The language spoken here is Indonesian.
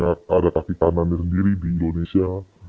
ada kaki tangannya sendiri di indonesia